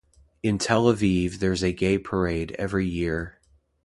In Tel Aviv there's a gay parade every year.